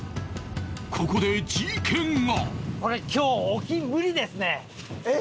ここで事件が！